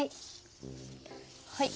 はい。